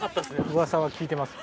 うわさは聞いてます。